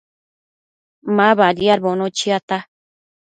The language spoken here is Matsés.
Ma badiadbono chiata